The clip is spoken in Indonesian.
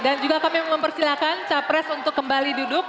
dan juga kami mempersilahkan capres untuk kembali duduk